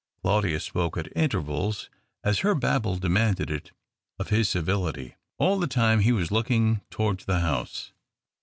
Claudius spoke at intervals, as her babble demanded it of his civility. All the time he was looking towards the house.